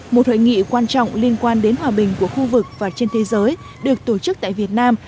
một hội nghị quan trọng liên quan đến hòa bình của khu vực và trên thế giới được tổ chức tại việt nam